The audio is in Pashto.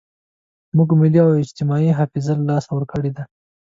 موږ ملي او اجتماعي حافظه له لاسه ورکړې ده.